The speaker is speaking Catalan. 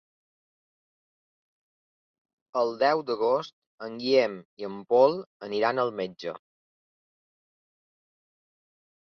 El deu d'agost en Guillem i en Pol aniran al metge.